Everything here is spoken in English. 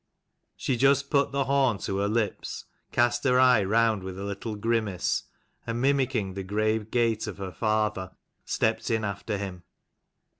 She just put the horn to her lips, cast her eye round with a little grimace, and mimicking the grave gait of her father, stepped in after him.